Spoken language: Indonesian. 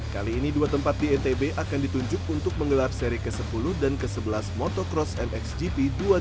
kali ini dua tempat di ntb akan ditunjuk untuk menggelar seri ke sepuluh dan ke sebelas motocross mxgp dua ribu dua puluh